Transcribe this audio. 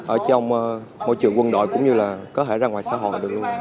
ở trong môi trường quân đội cũng như là có thể ra ngoài xã hội được luôn